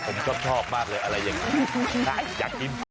ผมชอบมากเลยอะไรอย่างนี้อยากกิน